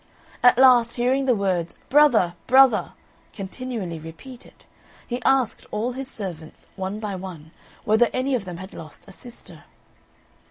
At last, hearing the words "Brother, brother!" continually repeated, he asked all his servants, one by one, whether any of them had lost a sister.